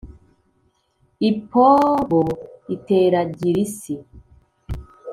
Ipobo itera girisi,